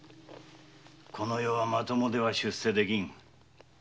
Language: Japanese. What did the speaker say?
この世はまともでは出世できん。